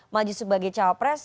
maju sebagai cawapres